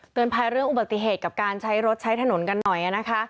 ภายเรื่องอุบัติเหตุกับการใช้รถใช้ถนนกันหน่อยนะคะ